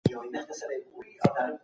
د قانون پلي کول د قوت غوښتنه کوي.